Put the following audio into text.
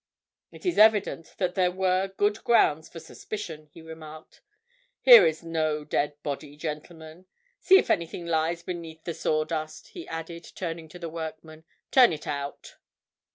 "It is evident that there were good grounds for suspicion," he remarked. "Here is no dead body, gentlemen. See if anything lies beneath the sawdust," he added, turning to the workmen. "Turn it out!"